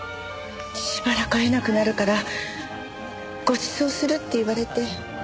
しばらく会えなくなるからご馳走するって言われて。